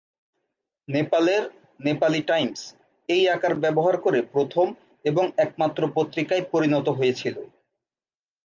নেপালের, "নেপালি টাইমস" এই আকার ব্যবহার করে প্রথম এবং একমাত্র পত্রিকায় পরিণত হয়েছিল।